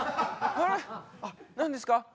あっ何ですか？